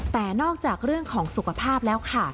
แต่นอกจากเรื่องของสุขภาพแล้วค่ะ